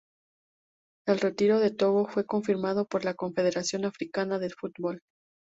El retiro de Togo fue confirmado por la Confederación Africana de Fútbol.